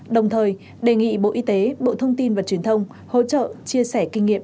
đồng thời đề nghị bộ y tế bộ thông tin và truyền thông hỗ trợ chia sẻ kinh nghiệm